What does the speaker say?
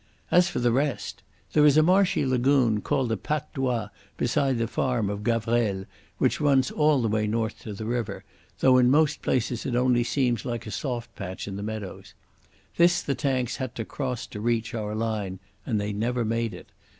As for the rest—there is a marshy lagoon called the Patte d'Oie beside the farm of Gavrelle, which runs all the way north to the river, though in most places it only seems like a soft patch in the meadows. This the tanks had to cross to reach our line, and they never made it.